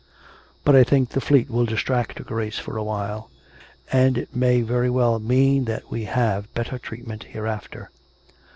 But I think the fleet will distract her Grace for a while; and it may very well mean that we have better treatment hereafter."